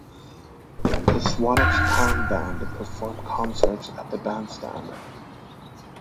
The Swanage Town Band perform concerts at the bandstand.